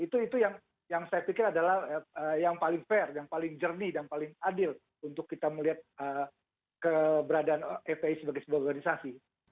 itu yang saya pikir adalah yang paling fair yang paling jernih dan paling adil untuk kita melihat keberadaan fpi sebagai sebuah organisasi